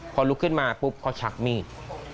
พอลุกขึ้นมาปุ๊บเขาชักมีด